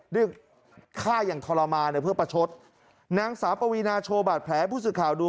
ด้วยฆ่าอย่างทรมานเพื่อประชดนางสาวปวีนาโชว์บาดแผลให้ผู้สื่อข่าวดู